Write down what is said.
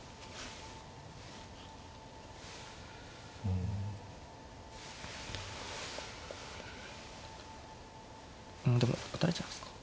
うんでも打たれちゃいますか。